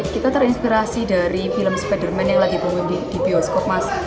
kita terinspirasi dari film spider man yang lagi berbunyi di bioskop mas